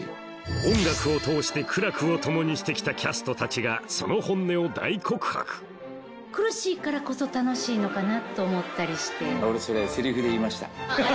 音楽を通して苦楽を共にしてきたキャストたちがその本音を大告白のかなと思ったりして。